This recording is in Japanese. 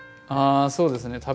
あそうですね。